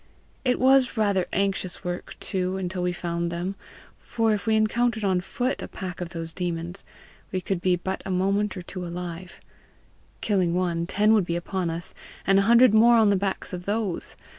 It was rather anxious work too until we found them, for if we encountered on foot a pack of those demons, we could be but a moment or two alive: killing one, ten would be upon us, and a hundred more on the backs of those.